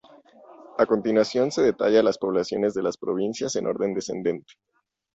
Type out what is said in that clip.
A continuación se detalla las poblaciones de las provincias en orden descendente.